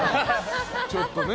ちょっとね。